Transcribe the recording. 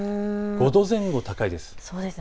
５度前後高いです。